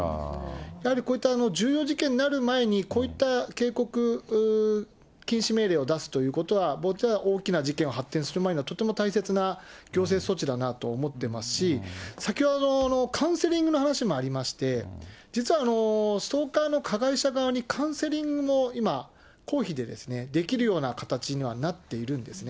やはりこういった重要事件になる前に、こういった警告、禁止命令を出すということは、大きな事件に発展する前には大切な行政措置だなと思ってますし、先ほど、カウンセリングの話もありまして、実は、ストーカーの加害者側にカウンセリングも今、公費でできるような形にはなっているんですね。